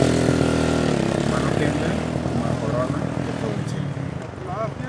To ok mano kende, tuo mar korona oketho weche limbe.